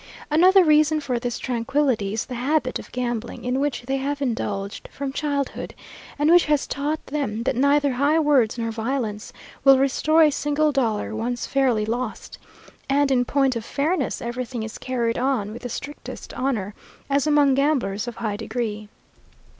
Another reason for this tranquillity is the habit of gambling, in which they have indulged from childhood, and which has taught them that neither high words nor violence will restore a single dollar once fairly lost; and in point of fairness, everything is carried on with the strictest honour, as among gamblers of high degree.